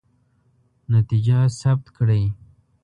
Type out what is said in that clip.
نتیجه ثبت کړئ.